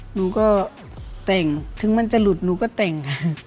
หนูก็แต่งถึงมันจะหลุดหนูก็แต่ง